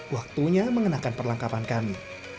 waktunya mengenakan perlengkapan kami